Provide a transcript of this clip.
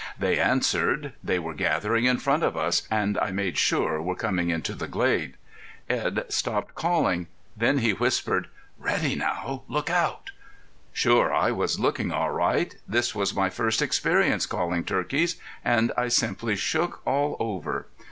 They answered. They were gathering in front of us, and I made sure were coming into the glade. Edd stopped calling. Then he whispered: 'Ready now. Look out!'... Sure I was looking all right. This was my first experience calling turkeys and I simply shook all over.